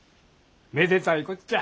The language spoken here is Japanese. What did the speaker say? めでたいこっちゃ。